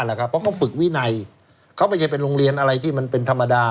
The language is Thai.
เพราะเขาฝึกวินัยเขาไม่ใช่เป็นโรงเรียนอะไรที่มันเป็นธรรมดา